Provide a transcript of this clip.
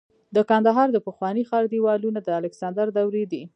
د کندهار د پخواني ښار دیوالونه د الکسندر دورې دي